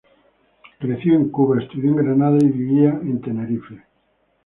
Creció en Cuba, estudió en Granada y vivía en Tenerife.